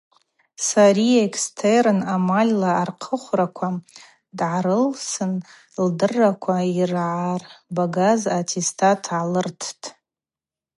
Сария экстерн амальла архъвыхраква дыркӏылсын лдырраква йыргӏарбагаз аттестат гӏалырттӏ.